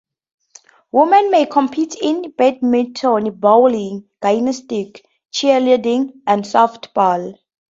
Women may compete in badminton, bowling, gymnastics, cheerleading, and softball.